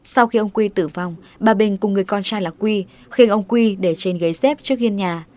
sau khi ông h q tử vong bà bình cùng người con trai là h q khiến ông h q để trên ghế xếp trước ghiên nhà